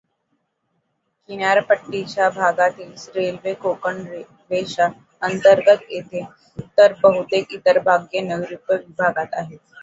किनारपट्टीच्या भागातील रेल्वे कोकण रेल्वेच्या अंतर्गत येते तर बहुतेक इतर भाग नैरुत्य विभागात येतात.